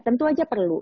tentu aja perlu